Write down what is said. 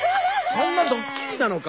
そんなドッキリなのか？